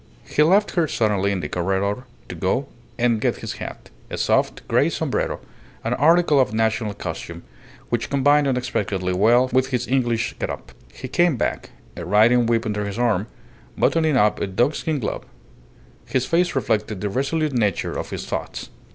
He left her suddenly in the corredor to go and get his hat, a soft, grey sombrero, an article of national costume which combined unexpectedly well with his English get up. He came back, a riding whip under his arm, buttoning up a dogskin glove; his face reflected the resolute nature of his thoughts.